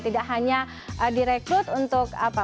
tidak hanya direkrut untuk apa